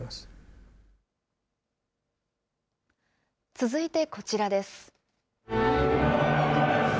続いてこちらです。